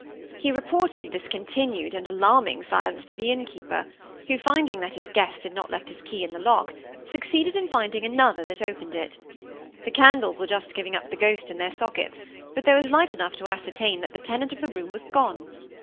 He reported this continued and alarming silence to the innkeeper, who, finding that his guest had not left his key in the lock, succeeded in finding another that opened it. The candles were just giving up the ghost in their sockets, but there was light enough to ascertain that the tenant of the room was gone!